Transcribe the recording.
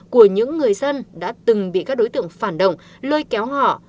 của những người dân đã từng bị các đối tượng phản động lôi kéo họ